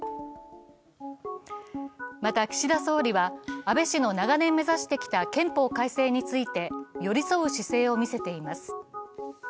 また、岸田総理は安倍氏の長年目指してきた憲法改正について寄り添う姿勢を見せています。